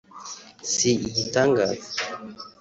si igitangaza